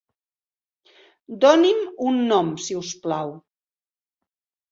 Doni'm un nom si us plau.